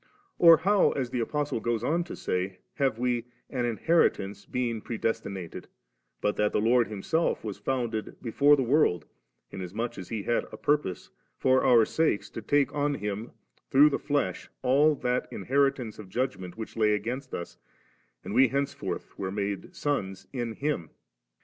or how, as the Apostle goes on to say, have we * an inheritance being predestinated,' but that the Lord Himself was founded * before the world,' inasmuch as He had a purpose, for our sakes, to take on Him through the flesh all that inheritance of judg ment which lay against us, and we henceforth were made sons in Him?